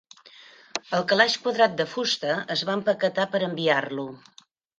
El calaix quadrat de fusta es va empaquetar per enviar-lo.